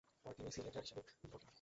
পরে তিনি sea ranger হিসাবে ভর্তি হন।